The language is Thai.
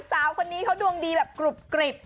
สาวคนนี้เขาดวงดีแบบกรุบกริบ